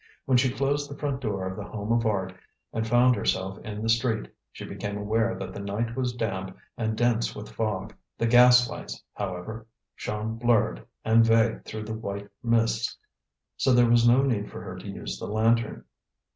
When she closed the front door of The Home of Art, and found herself in the street, she became aware that the night was damp and dense with fog. The gas lights, however, shone blurred and vague through the white mists, so there was no need for her to use the lantern.